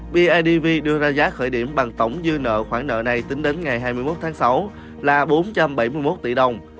bidv đưa ra giá khởi điểm bằng tổng dư nợ khoản nợ này tính đến ngày hai mươi một tháng sáu là bốn trăm bảy mươi một tỷ đồng